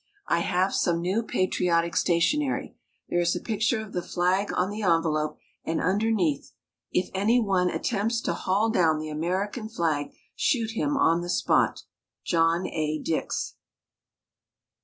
I have some new patriotic stationery. There is a picture of the flag on the envelope and underneath, "If any one attempts to haul down the American flag shoot him on the spot. John A. Dix."